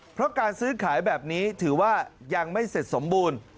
เพราะการซื้อขายแบบนี้ถือว่ายังไม่เสร็จสมบูรณ์